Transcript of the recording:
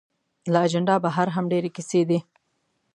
له اجنډا بهر هم ډېرې کیسې دي.